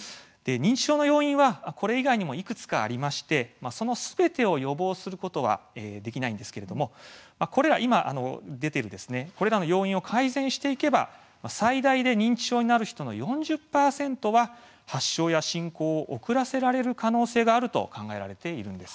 認知症の要因は、これ以外にもいくつかありましてそのすべてを予防することはできないんですけれどもこれらの要因を改善していけば最大で認知症になる人の４０％は発症や進行を遅らせられる可能性があると考えられているんです。